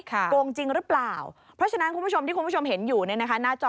โกงจริงหรือเปล่าเพราะฉะนั้นคุณผู้ชมที่คุณผู้ชมเห็นอยู่เนี่ยนะคะหน้าจอ